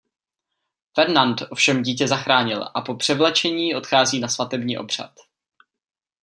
Fernand ovšem dítě zachránil a po převlečení odchází na svatební obřad.